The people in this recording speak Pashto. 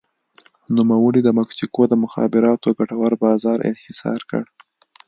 نوموړي د مکسیکو د مخابراتو ګټور بازار انحصار کړ.